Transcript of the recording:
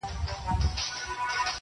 قلندر ويل تا غوښتل غيرانونه!.